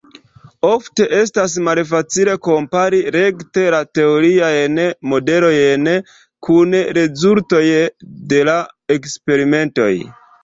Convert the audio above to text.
Ofte estas malfacile kompari rekte la teoriajn modelojn kun la rezultoj de la eksperimentoj.